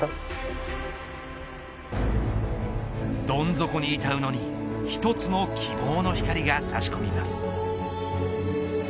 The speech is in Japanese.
どん底にいた宇野に一つの希望の光が差し込みます。